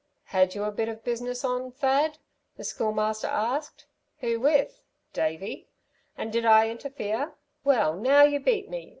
"Had you a bit of business on, Thad?" the Schoolmaster asked. "Who with? Davey? And did I interfere? Well, now you beat me!